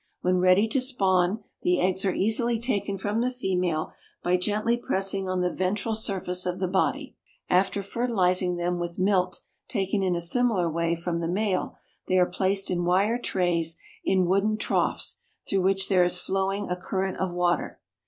When ready to spawn the eggs are easily taken from the female by gently pressing on the ventral surface of the body. After fertilizing them with milt taken in a similar way from the male they are placed in wire trays in wooden troughs through which there is flowing a current of water.